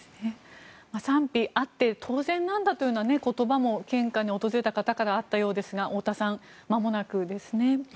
賛否あって当然なんだという言葉も献花に訪れた方からあったようですが太田さん、まもなくですね。